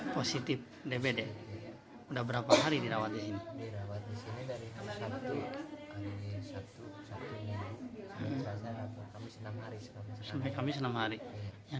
positif dbd udah berapa hari dirawatnya ini